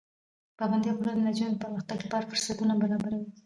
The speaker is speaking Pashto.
پابندي غرونه د نجونو د پرمختګ لپاره فرصتونه برابروي.